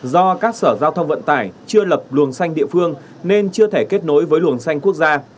do các sở giao thông vận tải chưa lập luồng xanh địa phương nên chưa thể kết nối với luồng xanh quốc gia